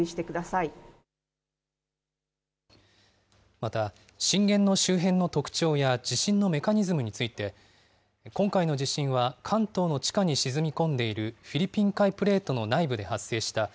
また、震源の周辺の特徴や地震のメカニズムについて、今回の地震は関東の地下に沈み込んでいるフィリピン海プレートの内部で発生した。